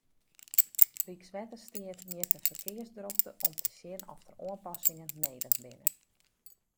Rykswettersteat mjit de ferkearsdrokte om te sjen oft der oanpassingen nedich binne.